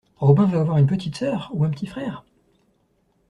Robin va avoir une petite sœur? Ou un petit frère ?